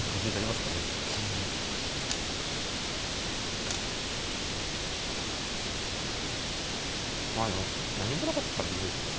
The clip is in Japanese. まあ何もなかったらひどいか。